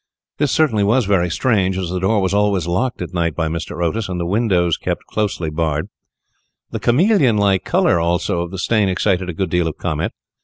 This certainly was very strange, as the door was always locked at night by Mr. Otis, and the windows kept closely barred. The chameleon like colour, also, of the stain excited a good deal of comment.